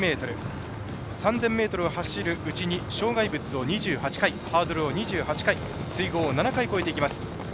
３０００ｍを走るうちに障害物を２８回ハードルを２８回水濠７回越えていきます。